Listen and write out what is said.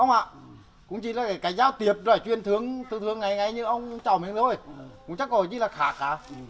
ông ạ cũng chỉ là cái giao tiếp rồi chuyên thương thương thương ngày ngày như ông cháu mình thôi cũng chắc có gì là khác cả